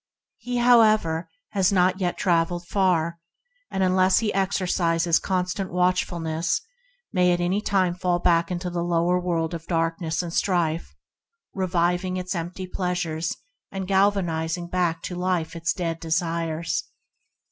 He, however, has not yet travelled far, and unless he exercise constant watchful ness he may at any time fall back into the lower world of darkness and strife, revivify ing its empty pleasures, and galvanizing back to life its dead desires.